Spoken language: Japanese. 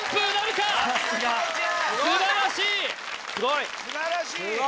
・すごい！